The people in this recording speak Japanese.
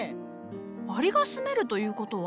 アリが住めるということは。